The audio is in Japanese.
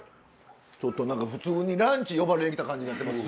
ちょっと何か普通にランチ呼ばれに来た感じになってます。